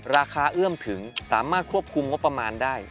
เอื้อมถึงสามารถควบคุมงบประมาณได้